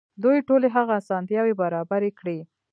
دوی ټولې هغه اسانتياوې برابرې کړې.